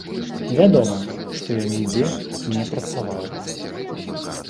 Вядома, што ён нідзе не працаваў.